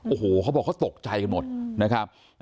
โอ้โหเขาบอกเขาตกใจกันหมดนะครับ